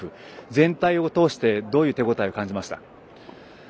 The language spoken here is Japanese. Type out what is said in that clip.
全体を通してどういう手応えを感じました？